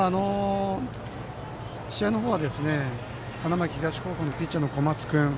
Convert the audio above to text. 試合の方は花巻東高校のピッチャーの小松君。